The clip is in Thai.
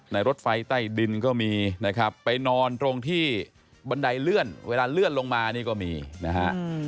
รถไฟใต้ดินก็มีนะครับไปนอนตรงที่บันไดเลื่อนเวลาเลื่อนลงมานี่ก็มีนะฮะ